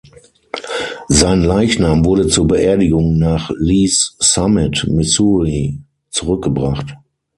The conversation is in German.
Sein Leichnam wurde zur Beerdigung nach Lee‘s Summit (Missouri) zurückgebracht.